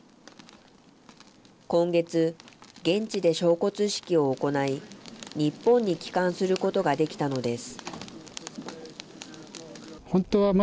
今月、現地で焼骨式を行い、日本に帰還することができたのです。